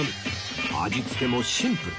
味付けもシンプル